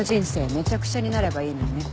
めちゃくちゃになればいいのにね。